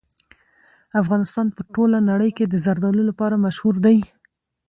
افغانستان په ټوله نړۍ کې د زردالو لپاره مشهور دی.